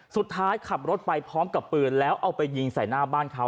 สุดท้ายขับรถไปพร้อมกับปืนแล้วเอาไปยิงใส่หน้าบ้านเขา